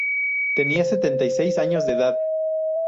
Tenía setenta y seis años de edad.